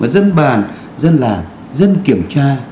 dân bàn dân làm dân kiểm tra